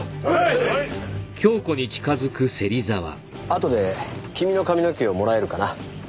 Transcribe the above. あとで君の髪の毛をもらえるかな？